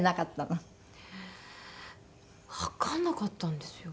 わかんなかったんですよ。